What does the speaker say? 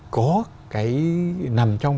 có cái nằm trong